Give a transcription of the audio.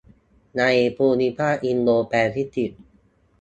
ในภูมิภาคอินโดแปซิฟิก